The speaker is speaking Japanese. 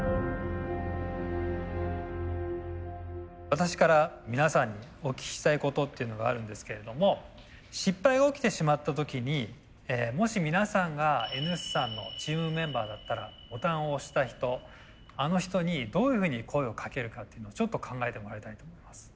私から皆さんにお聞きしたいことっていうのがあるんですけれども失敗が起きてしまった時にもし皆さんがＮ産のチームメンバーだったらボタンを押した人あの人にどういうふうに声をかけるかっていうのをちょっと考えてもらいたいと思います。